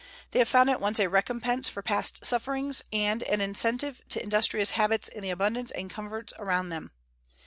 They have found at once a recompense for past sufferings and an incentive to industrious habits in the abundance and comforts around them.